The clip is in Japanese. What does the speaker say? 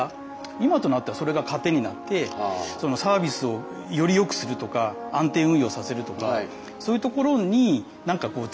今となってはそれが糧になってサービスをより良くするとか安定運用させるとかそういうところに何かこう力が出せた気がします。